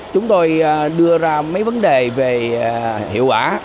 chúng tôi đưa ra mấy vấn đề về hiệu quả